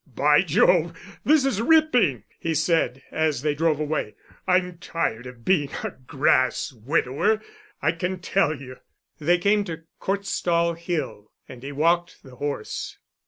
"By Jove, this is ripping," he said, as they drove away. "I'm tired of being a grass widower, I can tell you." They came to Corstal Hill and he walked the horse.